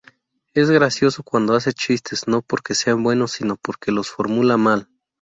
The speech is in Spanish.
Es gracioso cuando hace chistes, no porque sean buenos, sino porque los formula mal.